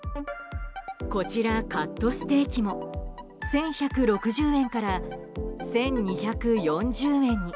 こちらカットステーキも１１６０円から１２４０円に。